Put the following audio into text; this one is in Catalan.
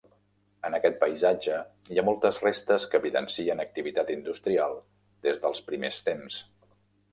En aquest paisatge hi ha moltes restes que evidencien activitat industrial des dels primers temps.